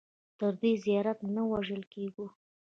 تر دې زیات نه وژل کېږو.